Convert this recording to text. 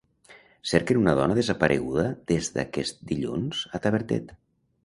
Cerquen una dona desapareguda des d'aquest dilluns a Tavertet.